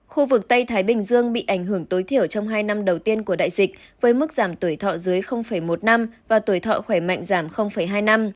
khu vực tây thái bình dương bị ảnh hưởng tối thiểu trong hai năm đầu tiên của đại dịch với mức giảm tuổi thọ dưới một năm và tuổi thọ khỏe mạnh giảm hai năm